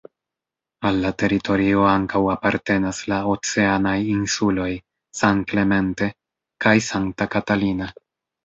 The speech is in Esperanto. Al la teritorio ankaŭ apartenas la oceanaj insuloj "San Clemente" kaj "Santa Catalina".